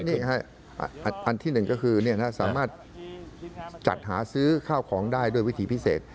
นี่อันที่หนึ่งก็คือสามารถจัดหาซื้อข้าวของได้ด้วยวิธีพิเศษ